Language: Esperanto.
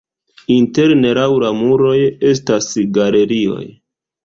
Interne laŭ la muroj estas galerioj.